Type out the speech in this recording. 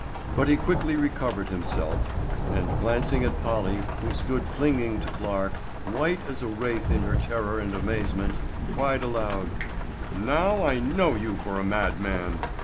But he quickly recovered himself, and glancing at Polly, who stood clinging to Clarke, white as a wraith in her terror and amazement, cried aloud: "Now I know you for a madman.